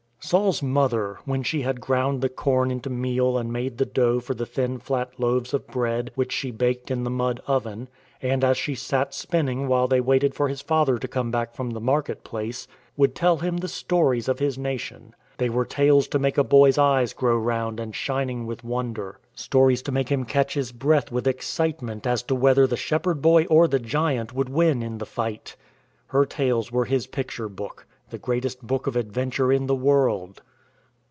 Saul's mother, when she had ground the corn into meal and made the dough for the thin flat loaves of bread which she baked in the mud oven, and as she sat spinning while they waited for his father to come back from the market place, would tell him the stories of his nation. They were tales to make a boy's eyes grow round and shining with wonder, stories to make him 32 IN TRAINING catch his breath with excitement as to whether the Shepherd Boy or the Giant would win in the fight. Her tales were his picture book — the greatest book of adventure in the world.